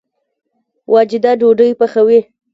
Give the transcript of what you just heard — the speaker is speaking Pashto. واجده ډوډۍ پخوي